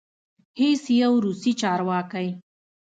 هیڅ یو روسي چارواکی